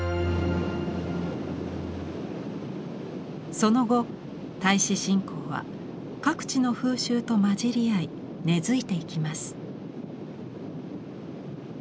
その後太子信仰は各地の風習とまじり合い根づいていきます。